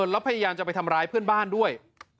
แล้วพยายามจะไปทำร้ายเพื่อนบ้านด้วย